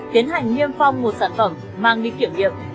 kiến hành nghiêm phong một sản phẩm mang đi kiểm nghiệm